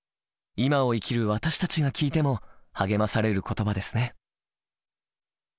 今を生きる私たちが聞いても励まされる言葉ですね。